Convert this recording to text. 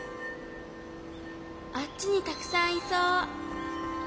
あっちにたくさんいそう。